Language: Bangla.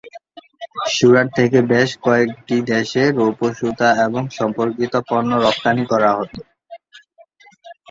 সুরাট থেকে বেশ কয়েকটি দেশে রৌপ্য সুতা এবং সম্পর্কিত পণ্য রফতানি করা হত।